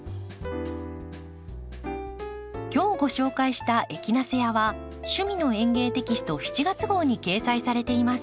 今日ご紹介した「エキナセア」は「趣味の園芸」テキスト７月号に掲載されています。